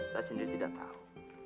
saya sendiri tidak tahu